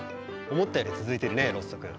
思ったより続いてるねロッソ君。